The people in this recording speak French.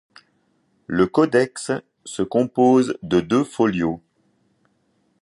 Le codex se compose de deux folios.